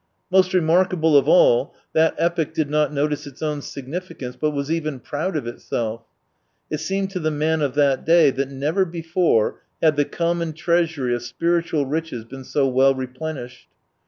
Most remarkable of all, that epoch did not notice its own insignificance, but was even proud of itself. It seemed to the man of that day that never before had the common treasury of spiritual riches been so well replenished.